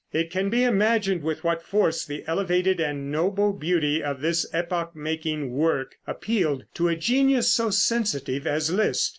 It can be imagined with what force the elevated and noble beauty of this epoch marking work appealed to a genius so sensitive as Liszt.